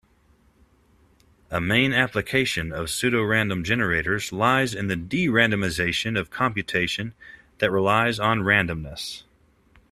A main application of pseudorandom generators lies in the de-randomization of computation that relies on randomness.